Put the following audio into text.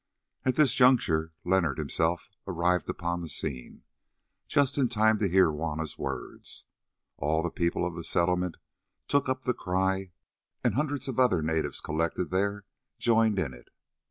At this juncture Leonard himself arrived upon the scene, just in time to hear Juanna's words. All the people of the Settlement took up the cry, and hundreds of other natives collected there joined in it.